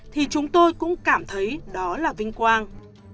thì chúng tôi cũng cảm thấy đó là vinh quang